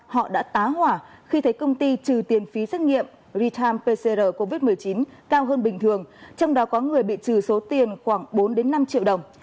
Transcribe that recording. họ đã tá hỏa khi thấy công ty trừ tiền phí xét nghiệm real time pcr covid một mươi chín cao hơn bình thường trong đó có người bị trừ số tiền khoảng bốn năm triệu đồng